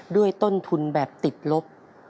ด้วยต้นทุนแบบติดลบ